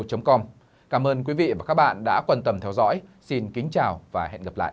cảm ơn quý vị và các bạn đã quan tâm theo dõi xin kính chào và hẹn gặp lại